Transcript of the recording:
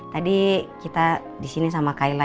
tadi kita disini sama kayla